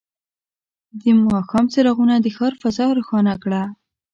د ماښام څراغونه د ښار فضا روښانه کړه.